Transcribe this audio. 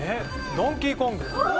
『ドンキーコング』。